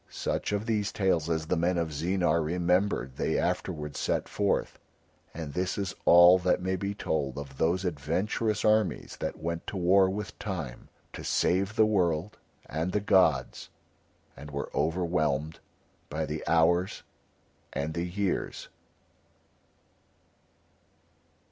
Such of these tales as the men of Zeenar remembered they afterwards set forth, and this is all that may be told of those adventurous armies that went to war with Time to save the world and the gods, and were overwhelmed by the hours and the years.